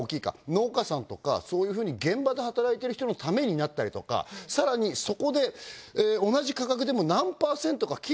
農家さんとかそういうふうに現場で働いてる人のためになったりとか更にそこで同じ価格でも。